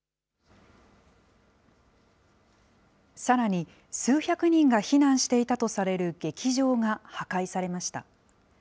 さらに、数百人が避難していたとされる劇場が破壊されました。